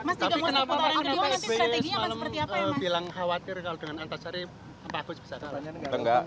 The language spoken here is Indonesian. mas tapi kenapa pak sbe malam bilang khawatir dengan antasari